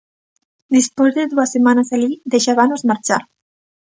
Despois de dúas semanas alí, deixábanos marchar.